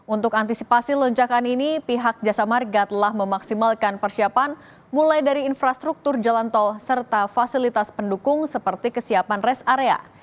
untuk antisipasi lonjakan ini pihak jasa marga telah memaksimalkan persiapan mulai dari infrastruktur jalan tol serta fasilitas pendukung seperti kesiapan rest area